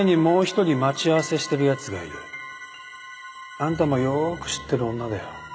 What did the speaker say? あんたもよく知ってる女だよ。